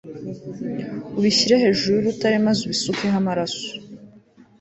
ubishyire hejuru y'urutare maze ubisukeho amaraso